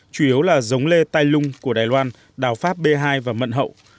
chủ yếu là giống lê tai lung của đài loan đào pháp b hai và mận hậu